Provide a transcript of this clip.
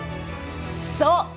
そう！